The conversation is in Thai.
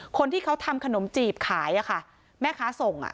คนที่เขาทำขนมจีบขายแม่ค้าส่ง